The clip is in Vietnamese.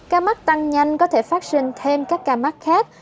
ca mắc tăng nhanh có thể phát sinh thêm các ca mắc khác